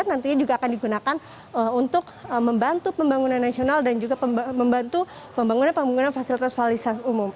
nantinya juga akan digunakan untuk membantu pembangunan nasional dan juga membantu pembangunan pembangunan fasilitas fasilitas umum